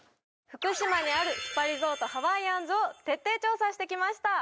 福島にあるスパリゾートハワイアンズを徹底調査してきました